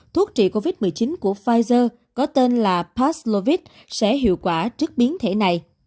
thuốc trị covid một mươi chín của pfizer có tên là paslovit sẽ hiệu quả trước biến thể này